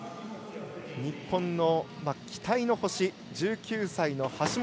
日本の期待の星１９歳の橋本。